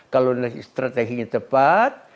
kalau nilai strateginya tepat